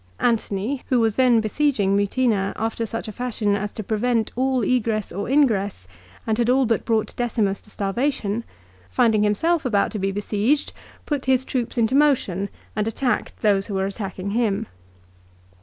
Antony, who was then besieging Mutina after such a fashion as to prevent all egress or ingress and had all but brought Decimus to starvation, finding himself about to be be sieged, put his troops into motion and attacked those who were attacking him.